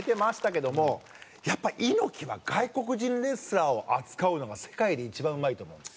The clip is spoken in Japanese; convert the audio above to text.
やっぱり猪木は外国人レスラーを扱うのが世界で一番うまいと思うんです。